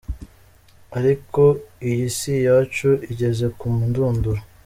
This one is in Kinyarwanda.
Ariko iyi si yacu igeze ku ndunduro!.